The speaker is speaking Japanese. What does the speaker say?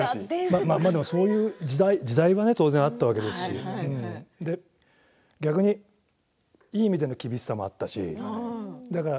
そういう時代でもあったわけですけれどいい意味での厳しさもあったし。